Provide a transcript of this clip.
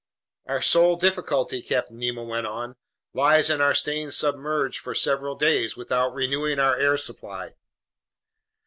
"Our sole difficulty," Captain Nemo went on, "lies in our staying submerged for several days without renewing our air supply."